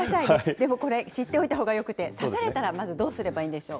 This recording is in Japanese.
でもこれ、知っておいたほうがよくて、刺されたらまずどうすればいいんでしょう。